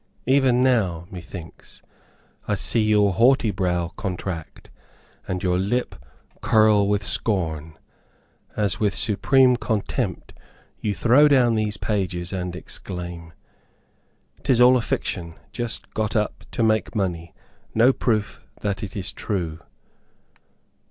Even now, methinks, I see your haughty brow contract, and your lip curl with scorn, as with supreme contempt you throw down these pages and exclaim, "'Tis all a fiction. Just got up to make money. No proof that it is true."